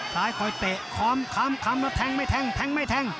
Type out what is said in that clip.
ซ้ายคอยเตะคอมคำค้ำแล้วแทงไม่แทงแทงไม่แทง